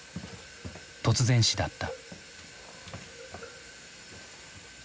突然死だった。